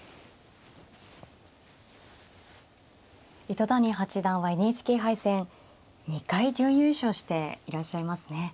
糸谷八段はＮＨＫ杯戦２回準優勝していらっしゃいますね。